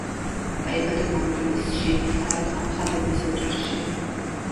დაიბადა მანგლისში, თავად აფხაზების ოჯახში.